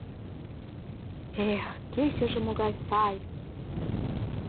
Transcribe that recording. Эх, кечыже могай сай!